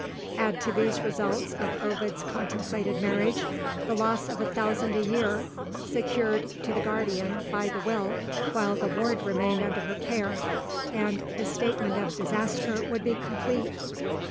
Add to these results of Ovid's contemplated marriage the loss of a thousand a year, secured to the guardian by the Will, while the ward remained under her care and the statement of disaster would be complete.